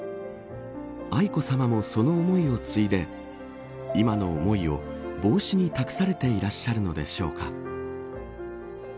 愛子さまも、その思いを継いで今の思いを帽子に託されていらっしゃるのでしょうか。